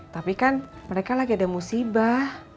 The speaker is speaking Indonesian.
tapi kan mereka lagi ada musibah